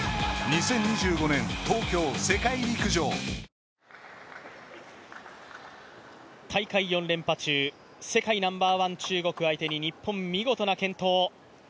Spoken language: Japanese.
「のりしお」もね大会４連覇中、世界ナンバーワン中国相手に日本、見事な健闘。